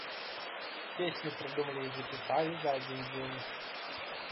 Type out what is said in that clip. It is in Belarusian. Песню прыдумалі і запісалі за адзін дзень.